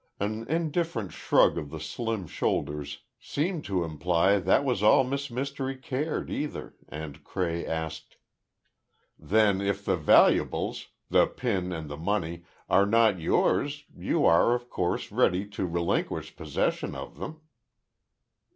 An indifferent shrug of the slim shoulders seemed to imply that was all Miss Mystery cared, either, and Cray asked: "Then, if the valuables—the pin and the money are not yours, you are, of course, ready to relinquish possession of them."